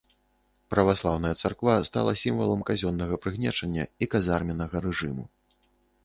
Праваслаўная царква стала сімвалам казённага прыгнечання і казарменнага рэжыму.